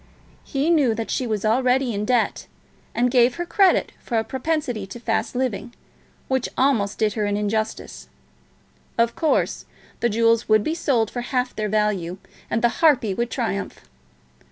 He knew that she was already in debt, and gave her credit for a propensity to fast living which almost did her an injustice. Of course, the jewels would be sold for half their value, and the harpy would triumph.